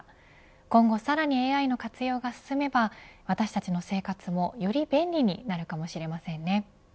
今後さらにＡＩの活用が進めば私たちの生活もより便利になるかもしれませんね。